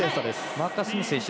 マーカス・スミス選手